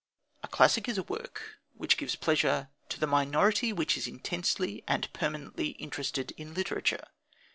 A classic is a work which gives pleasure to the minority which is intensely and permanently interested in literature.